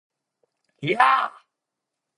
야!